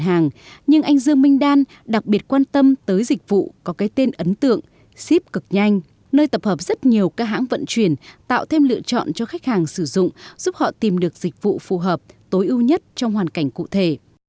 anh dương minh đan đặc biệt quan tâm tới dịch vụ có cái tên ấn tượng ship cực nhanh nơi tập hợp rất nhiều các hãng vận chuyển tạo thêm lựa chọn cho khách hàng sử dụng giúp họ tìm được dịch vụ phù hợp tối ưu nhất trong hoàn cảnh cụ thể